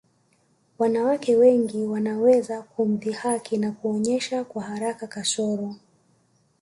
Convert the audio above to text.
Wanawake wengine wanaweza kumdhihaki na kuonyesha kwa haraka kasoro